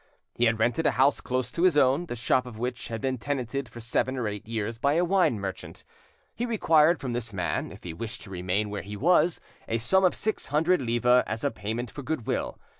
He had rented a house close to his own, the shop of which had been tenanted for seven or eight years by a wine merchant. He required from this man, if he wished to remain where he was, a sum of six hundred livres as a payment for goodwill.